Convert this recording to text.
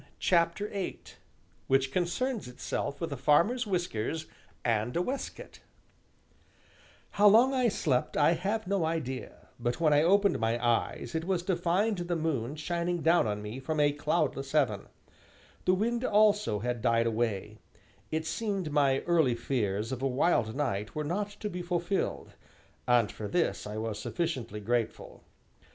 CHAPTER VIII WHICH CONCERNS ITSELF WITH A FARMER'S WHISKERS AND A WAISTCOAT How long I slept I have no idea, but when I opened my eyes it was to find the moon shining down on me from a cloudless heaven; the wind also had died away; it seemed my early fears of a wild night were not to be fulfilled, and for this I was sufficiently grateful.